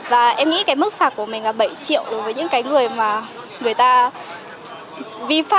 và em nghĩ cái mức phạt của mình là bảy triệu đối với những cái người mà người ta vi phạm